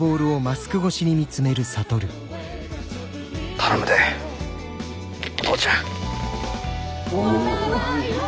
頼むでお父ちゃん。